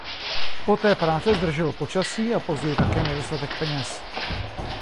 Poté práce zdrželo počasí a později také nedostatek peněz.